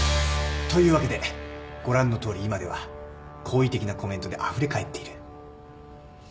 というわけでご覧のとおり今では好意的なコメントであふれかえっている。